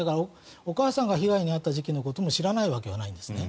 お母さんが被害に遭った時期も知らないわけはないんですね。